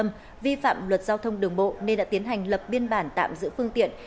vi phạm luật giao thông đường bộ nên đã tiến hành lập biên bản tạm giữ phương tiện